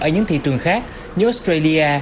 ở những thị trường khác như australia